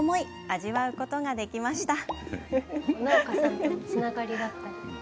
味わうことができました。